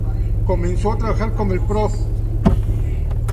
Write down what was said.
Comenzó a trabajar con el Prof.